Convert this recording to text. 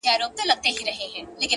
• د دنیا له هر قدرت سره په جنګ یو,